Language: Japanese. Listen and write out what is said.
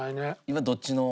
今どっちの？